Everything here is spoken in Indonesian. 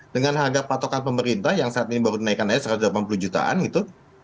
dengan harga patokan pemerintah yang saat ini baru dinaikkan aja satu ratus delapan puluh jutaan gitu